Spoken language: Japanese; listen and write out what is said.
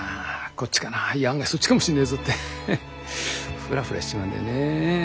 こっちかなぁいや案外そっちかもしんねえぞってフラフラしちまうんだよねえ。